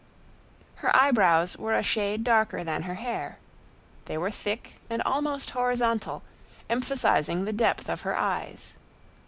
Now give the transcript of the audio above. Her eyebrows were a shade darker than her hair. They were thick and almost horizontal, emphasizing the depth of her eyes.